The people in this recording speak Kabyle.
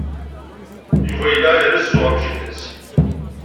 Yuba yella irezzu ɣef jida-s.